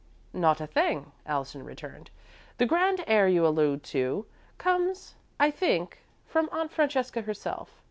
"Not a thing," Allison returned. "The 'grand air' you allude to comes, I think, from Aunt Francesca herself.